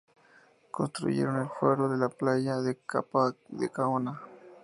Construyeron el Faro de la playa de Capa de Canoa.